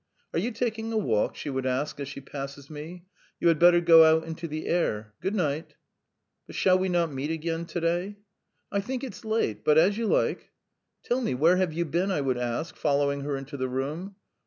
"Are you taking a walk?" she would ask as she passes me. "You had better go out into the air. ... Good night!" "But shall we not meet again to day?" "I think it's late. But as you like." "Tell me, where have you been?" I would ask, following her into the room.